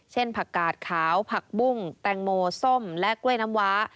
ผักกาดขาวผักบุ้งแตงโมส้มและกล้วยน้ำว้า